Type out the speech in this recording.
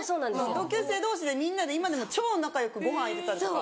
同級生同士でみんなで今でも超仲良くご飯行ってたりとか。